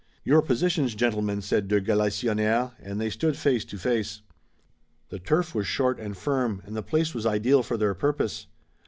"Your positions, gentlemen!" said de Galisonnière, and they stood face to face. The turf was short and firm, and the place was ideal for their purpose.